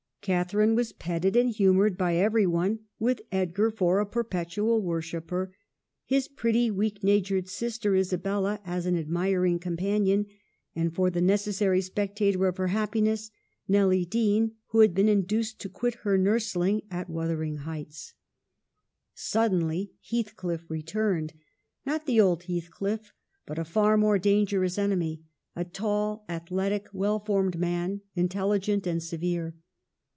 Catharine was petted and humored by every one, with Edgar for a perpetual worshipper ; his pretty, weak natured sister Isabella as an admiring com panion ; and for the necessary spectator of her happiness, Nelly Dean, who had been induced to quit her nursling at Wuthering Heights. 'WUTHERING HEIGHTS: 25 1 Suddenly Heathcliff returned, not the old Heathcliff, but a far more dangerous enemy, a tall, athletic, well formed man, intelligent and severe.